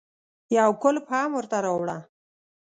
يو کولپ هم ورته راوړه.